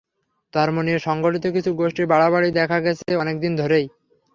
ধর্ম নিয়ে সংগঠিত কিছু গোষ্ঠীর বাড়াবাড়ি দেখা গেছে অনেক দিন ধরেই।